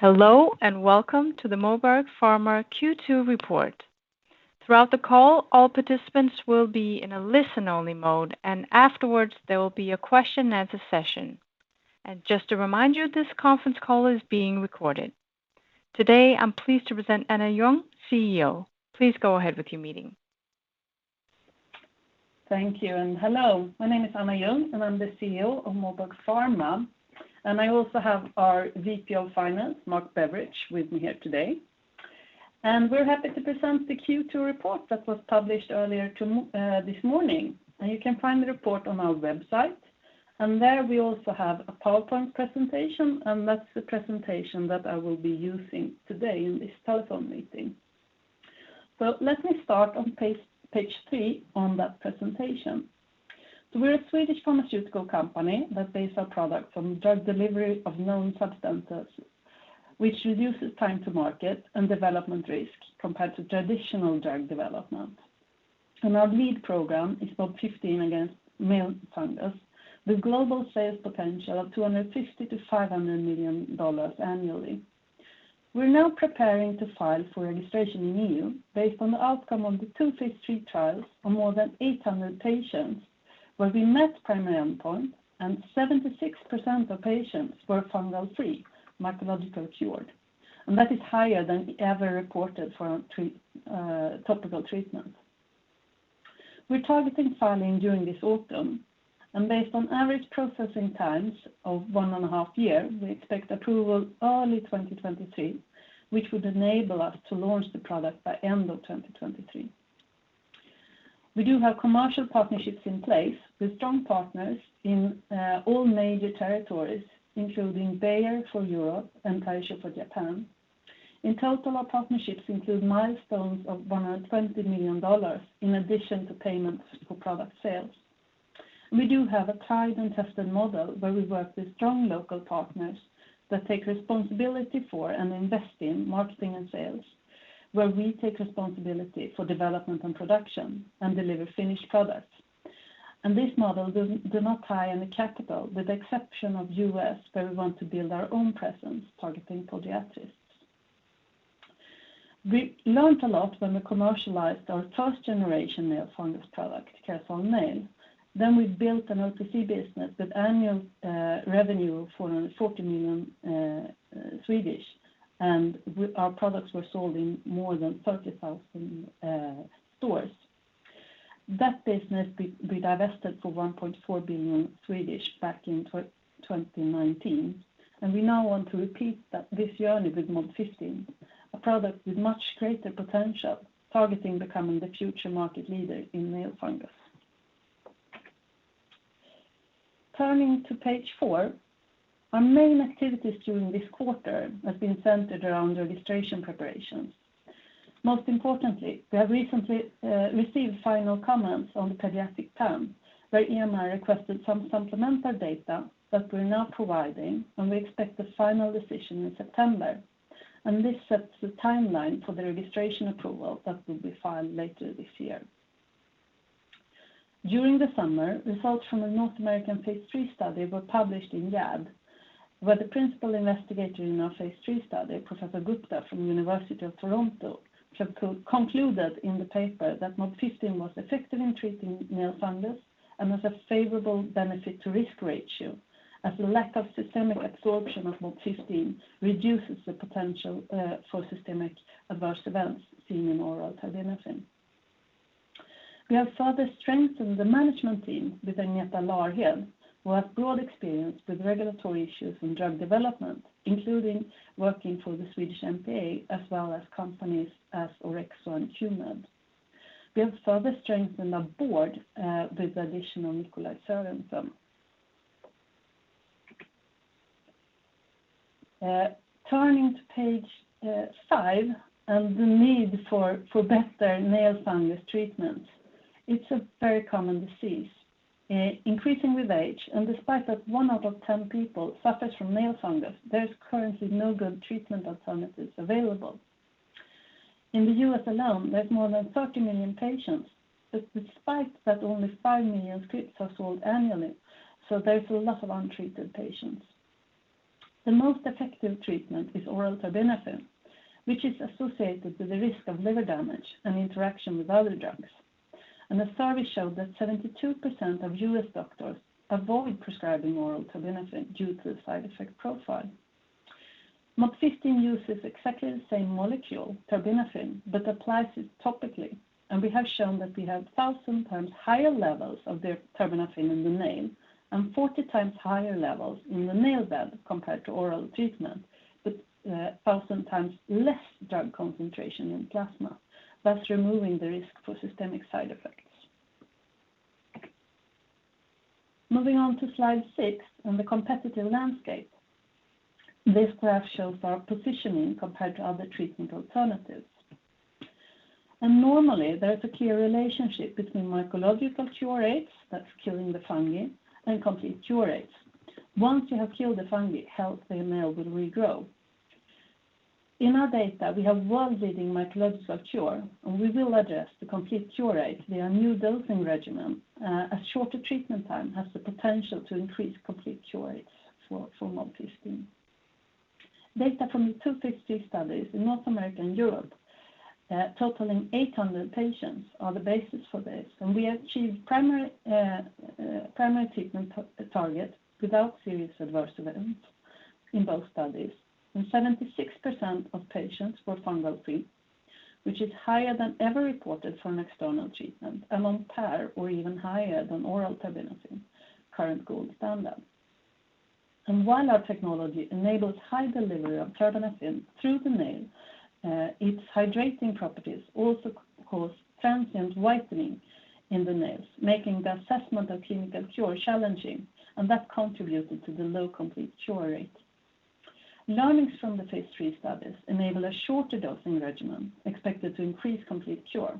Hello, and welcome to the Moberg Pharma Q2 report. Throughout the call, all participants will be in a listen-only mode, and afterwards, there will be a question-and-answer session. Just to remind you, this conference call is being recorded. Today, I'm pleased to present Anna Ljung, CEO. Please go ahead with your meeting. Thank you, hello. My name is Anna Ljung, and I'm the CEO of Moberg Pharma. I also have our VP of Finance, Mark Beveridge, with me here today. We're happy to present the Q2 report that was published earlier this morning. You can find the report on our website. There we also have a PowerPoint presentation, and that's the presentation that I will be using today in this telephone meeting. Let me start on page three on that presentation. We're a Swedish pharmaceutical company that base our product from drug delivery of known substances, which reduces time to market and development risk compared to traditional drug development. Our lead program is MOB-015 against nail fungus, with global sales potential of $250 million-$500 million annually. We're now preparing to file for registration in EU based on the outcome of the two phase III trials on more than 800 patients, where we met primary endpoint and 76% of patients were fungal free, mycological cured. That is higher than ever reported for topical treatment. We're targeting filing during this autumn. Based on average processing times of one and a half year, we expect approval early 2023, which would enable us to launch the product by end of 2023. We do have commercial partnerships in place with strong partners in all major territories, including Bayer for Europe and Taisho for Japan. In total, our partnerships include milestones of $120 million in addition to payments for product sales. We do have a tried and tested model where we work with strong local partners that take responsibility for and invest in marketing and sales, where we take responsibility for development and production and deliver finished products. This model do not tie any capital, with the exception of U.S., where we want to build our own presence targeting podiatrists. We learned a lot when we commercialized our first generation nail fungus product, Kerasal Nail. We built an OTC business with annual revenue of 440 million, and our products were sold in more than 30,000 stores. That business we divested for 1.4 billion back in 2019. We now want to repeat that this year with MOB-015, a product with much greater potential, targeting becoming the future market leader in nail fungus. Turning to page four. Our main activities during this quarter have been centered around registration preparations. Most importantly, we have recently received final comments on the pediatric plan, where EMA requested some supplemental data that we're now providing. We expect the final decision in September. This sets the timeline for the registration approval that will be filed later this year. During the summer, results from a North American phase III study were published in JAAD, where the principal investigator in our phase III study, Professor Gupta from University of Toronto, concluded in the paper that MOB-015 was effective in treating nail fungus and has a favorable benefit to risk ratio, as the lack of systemic absorption of MOB-015 reduces the potential for systemic adverse events seen in oral terbinafine. We have further strengthened the management team with Agneta Larhed, who has broad experience with regulatory issues in drug development, including working for the Swedish MPA as well as companies as Orexo and Q-Med. We have further strengthened our board with addition of Nikolaj Sörensen. Turning to page five and the need for better nail fungus treatment. It's a very common disease, increasing with age. Despite that one out of 10 people suffers from nail fungus, there's currently no good treatment alternatives available. In the U.S. alone, there's more than 30 million patients, but despite that only 5 million scripts are sold annually, so there's a lot of untreated patients. The most effective treatment is oral terbinafine, which is associated with the risk of liver damage and interaction with other drugs. A survey showed that 72% of U.S. doctors avoid prescribing oral terbinafine due to the side effect profile. MOB-015 uses exactly the same molecule, terbinafine, but applies it topically. We have shown that we have 1,000 times higher levels of the terbinafine in the nail and 40 times higher levels in the nail bed compared to oral treatment. 1,000 times less drug concentration in plasma, thus removing the risk for systemic side effects. Moving on to slide six on the competitive landscape. This graph shows our positioning compared to other treatment alternatives. Normally, there's a clear relationship between mycological cure rates, that's curing the fungi, and complete cure rates. Once you have cured the fungi, healthy nail will regrow. In our data, we have well-reading mycological cure. We will address the complete cure rate via new dosing regimen, as shorter treatment time has the potential to increase complete cure rates for MOB-015. Data from the two Phase III studies in North America and Europe, totaling 800 patients, are the basis for this. We achieved primary treatment target without serious adverse events in both studies. 76% of patients were fungal free, which is higher than ever reported for an external treatment, among par or even higher than oral terbinafine, current gold standard. While our technology enables high delivery of terbinafine through the nail, its hydrating properties also cause transient whitening in the nails, making the assessment of clinical cure challenging, and that contributed to the low complete cure rate. Learnings from the Phase III studies enable a shorter dosing regimen expected to increase complete cure.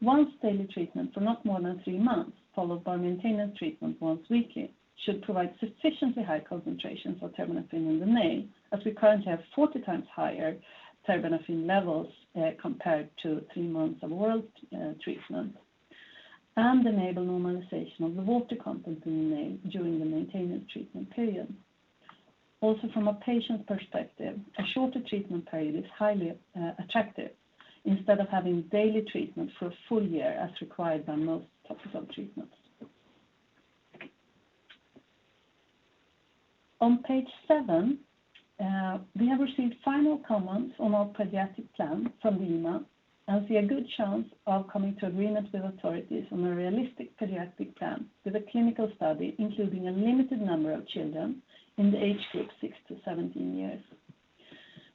Once daily treatment for not more than three months, followed by maintenance treatment once weekly should provide sufficiently high concentrations of terbinafine in the nail, as we currently have 40 times higher terbinafine levels compared to three months of oral treatment, and enable normalization of the water content in the nail during the maintenance treatment period. Also from a patient perspective, a shorter treatment period is highly attractive instead of having daily treatment for a full year as required by most topical treatments. On page seven, we have received final comments on our pediatric plan from the EMA and see a good chance of coming to agreement with authorities on a realistic pediatric plan with a clinical study including a limited number of children in the age group 6-17 years.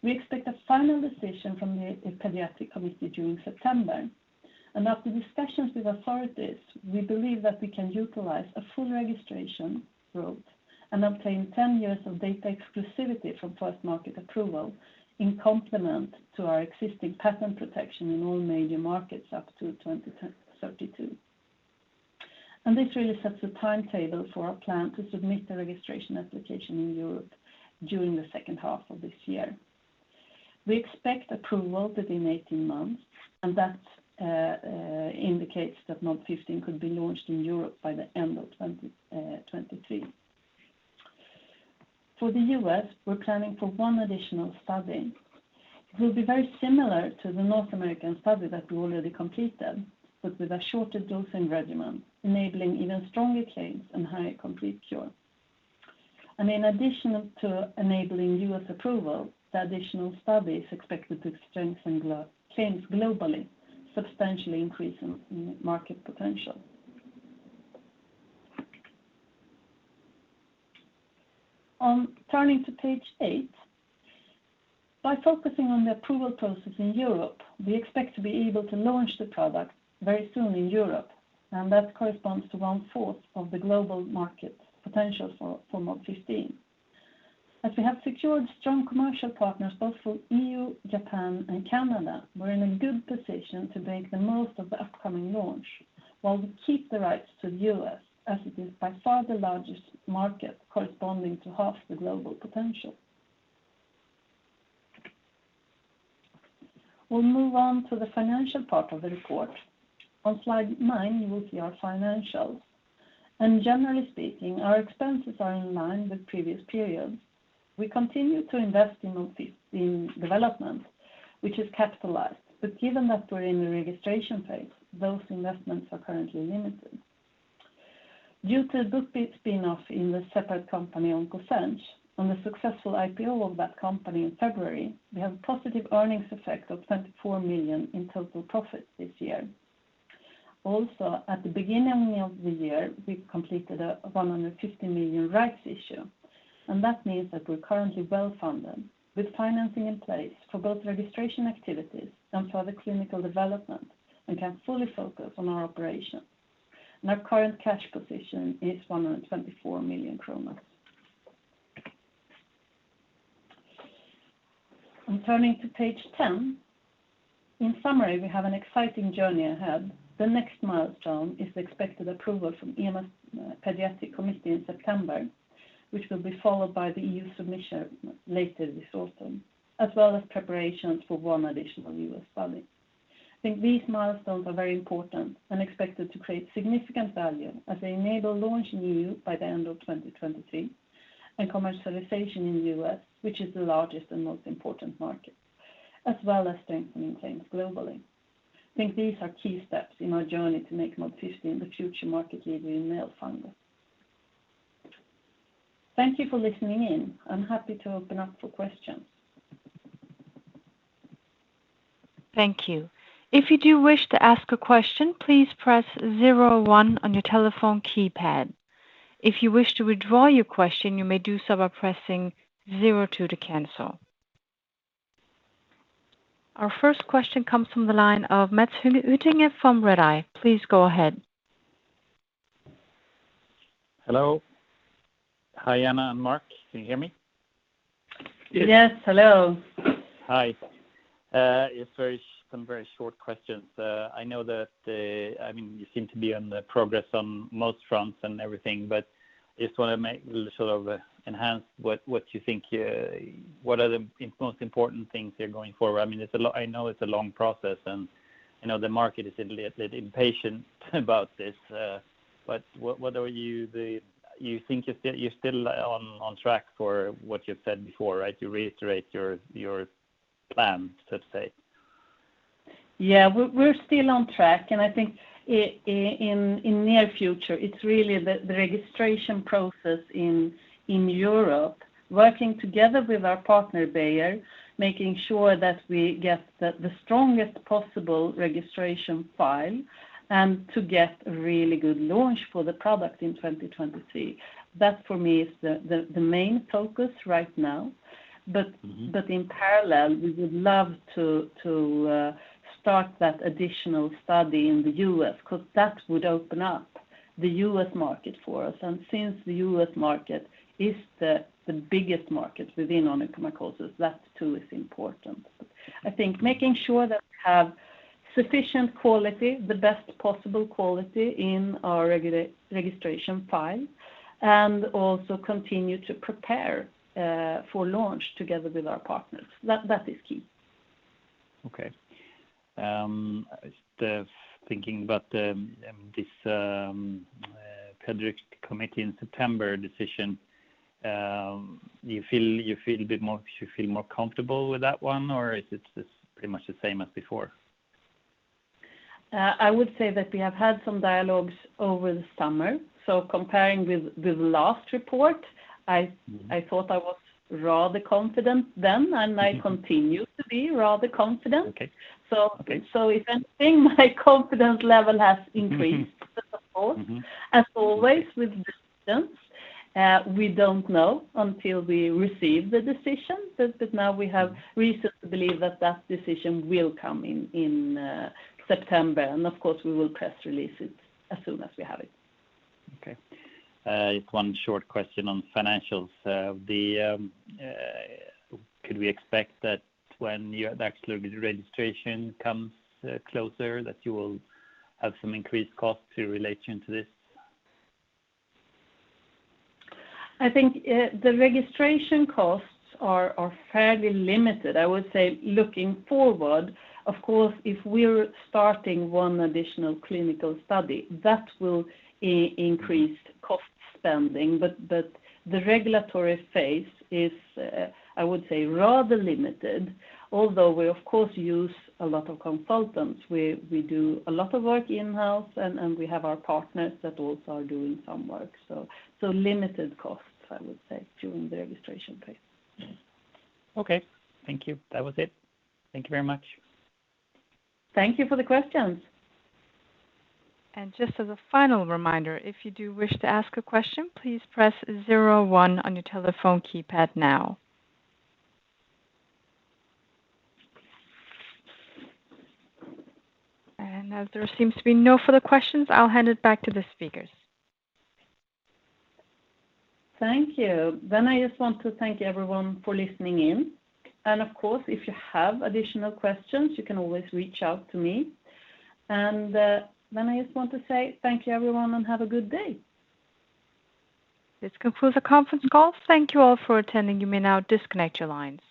We expect a final decision from the Paediatric Committee during September. After discussions with authorities, we believe that we can utilize a full registration route and obtain 10 years of data exclusivity from first market approval in complement to our existing patent protection in all major markets up to 2032. This really sets the timetable for our plan to submit the registration application in Europe during the second half of this year. We expect approval within 18 months, and that indicates that MOB-015 could be launched in Europe by the end of 2023. For the U.S., we're planning for one additional study. It will be very similar to the North American study that we already completed, but with a shorter dosing regimen, enabling even stronger claims and higher complete cure. In addition to enabling U.S. approval, the additional study is expected to strengthen claims globally, substantially increasing market potential. Turning to page eight. By focusing on the approval process in Europe, we expect to be able to launch the product very soon in Europe, and that corresponds to one fourth of the global market potential for MOB-015. As we have secured strong commercial partners both for EU, Japan, and Canada, we're in a good position to make the most of the upcoming launch while we keep the rights to the U.S., as it is by far the largest market corresponding to half the global potential. We'll move on to the financial part of the report. On slide nine, you will see our financials. Generally speaking, our expenses are in line with previous periods. We continue to invest in MOB-015 development, which is capitalized. Given that we're in the registration phase, those investments are currently limited. Due to BUPI spin-off in the separate company, OncoZenge, on the successful IPO of that company in February, we have positive earnings effect of 24 million in total profits this year. At the beginning of the year, we completed a 150 million rights issue, and that means that we're currently well-funded with financing in place for both registration activities and further clinical development and can fully focus on our operations. Our current cash position is 124 million kronor. Turning to page 10. In summary, we have an exciting journey ahead. The next milestone is the expected approval from EMA's Paediatric Committee in September, which will be followed by the EU submission later this autumn, as well as preparations for one additional U.S. study. I think these milestones are very important and expected to create significant value as they enable launch in EU by the end of 2023 and commercialization in the U.S., which is the largest and most important market, as well as strengthening claims globally. I think these are key steps in our journey to make MOB-015 the future market-leading nail fungal. Thank you for listening in. I'm happy to open up for questions. Thank you. If you do wish to ask a question, please press zero one on your telephone keypad. If you wish to withdraw your question, you may do so by pressing zero two to cancel. Our first question comes from the line of Mats Hyttinge from Redeye. Please go ahead. Hello. Hi, Anna and Mark. Can you hear me? Yes. Hello. Hi. It's some very short questions. I know that you seem to be on the progress on most fronts and everything, but I just want to enhance what you think are the most important things there going forward. I know it's a long process, and the market is a little impatient about this. You think you're still on track for what you've said before, right? You reiterate your plan, per se. Yeah, we're still on track, and I think in near future, it's really the registration process in Europe, working together with our partner, Bayer, making sure that we get the strongest possible registration file and to get a really good launch for the product in 2023. That, for me, is the main focus right now. In parallel, we would love to start that additional study in the U.S. because that would open up the U.S. market for us. Since the U.S. market is the biggest market within onychomycosis, that too is important. I think making sure that we have sufficient quality, the best possible quality in our registration file, and also continue to prepare for launch together with our partners. That is key. Okay. Just thinking about this PDCO committee in September decision. Do you feel a bit more comfortable with that one, or is it pretty much the same as before? I would say that we have had some dialogues over the summer. Comparing with last report, I thought I was rather confident then, and I continue to be rather confident. Okay. If anything, my confidence level has increased. Of course, as always with these things, we don't know until we receive the decision. Now we have reason to believe that decision will come in September, and of course, we will press release it as soon as we have it. Okay. Just one short question on financials. Could we expect that when the Axlora registration comes closer, that you will have some increased costs in relation to this? I think the registration costs are fairly limited. I would say looking forward, of course, if we're starting one additional clinical study, that will increase cost spending. The regulatory phase is, I would say, rather limited, although we, of course, use a lot of consultants. We do a lot of work in-house, and we have our partners that also are doing some work. Limited costs, I would say, during the registration phase. Okay. Thank you. That was it. Thank you very much. Thank you for the questions. Just as a final reminder, if you do wish to ask a question, please press zero one on your telephone keypad now. As there seems to be no further questions, I'll hand it back to the speakers. Thank you. I just want to thank everyone for listening in. Of course, if you have additional questions, you can always reach out to me. I just want to say thank you, everyone, and have a good day. This concludes the conference call. Thank you all for attending. You may now disconnect your lines.